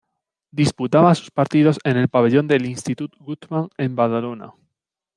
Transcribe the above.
Disputaba sus partidos en el pabellón del Institut Guttmann, en Badalona.